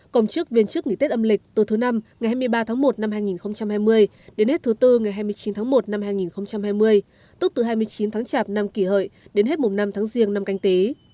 cộng chức viên chức nghỉ tết âm lịch từ thứ năm ngày hai mươi ba tháng một năm hai nghìn hai mươi đến hết thứ bốn ngày hai mươi chín tháng một năm hai nghìn hai mươi tức từ hai mươi chín tháng chạp năm kỷ hợi đến hết mùng năm tháng riêng năm canh tí